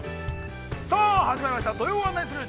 ◆さあ、始まりました「土曜はナニする！？」